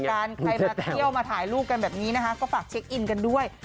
ใครมาเที่ยวมาถ่ายรูปกันแบบนี้นะคะก็ฝากเช็คอินกันด้วย